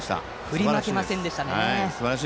振り負けませんでしたね。